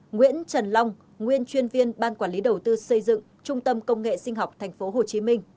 nguyễn trần long nguyên chuyên viên ban quản lý đầu tư xây dựng trung tâm công nghệ sinh học tp hcm